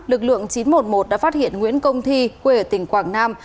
lực lượng chín trăm một mươi một đã phát hiện nguyễn công thi quê ở tỉnh quảng nam